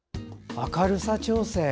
明るさ調整。